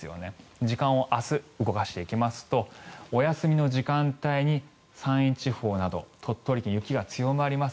時間を明日に動かしていきますとお休みの時間帯に山陰地方など鳥取県、雪が強まります。